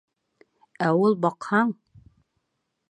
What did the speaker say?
Ә ул баҡһаң...